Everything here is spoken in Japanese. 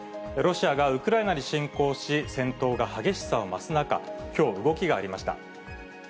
ロシアがウクライナに侵攻し、戦闘が激しさを増す中、きょう、動きがありました。